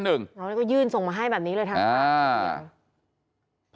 นายก็ยื่นส่งมาให้แบบนี้เลยทางระเบียง